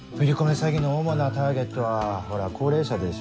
詐欺の主なターゲットはほら高齢者でしょ。